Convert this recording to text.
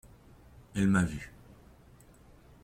Elle m’a vu…